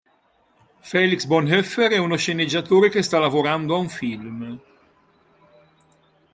Felix Bonhoeffer è uno sceneggiatore che sta lavorando a un film.